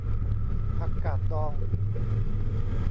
ผักกาดดอง